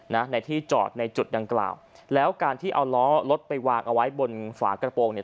ในที่จอดในจุดดังกล่าวแล้วการที่เอาล้อรถไปวางเอาไว้บนฝากระโปรงเนี่ย